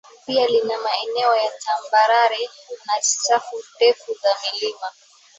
pia lina maeneo ya tambarare na safu ndefu za milima